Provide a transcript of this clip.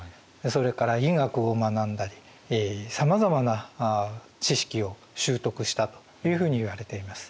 それから医学を学んだりさまざまな知識を習得したというふうにいわれています。